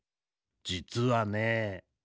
じつはね。